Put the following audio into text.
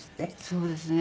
そうですね。